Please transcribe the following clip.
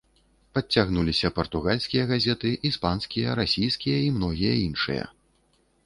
Падцягнуліся партугальскія газеты, іспанскія, расійскія і многія іншыя.